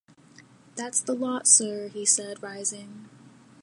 "That's the lot, sir," he said, rising.